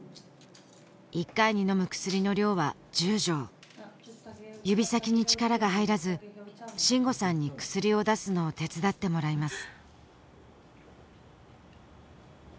１回に飲む薬の量は１０錠指先に力が入らず真悟さんに薬を出すのを手伝ってもらいます